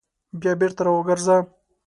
بیا بېرته راوګرځه !